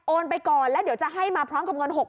ไปก่อนแล้วเดี๋ยวจะให้มาพร้อมกับเงิน๖๐๐